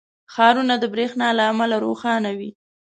• ښارونه د برېښنا له امله روښانه وي.